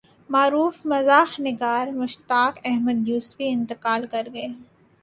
معروف مزاح نگار مشتاق احمد یوسفی انتقال کرگئے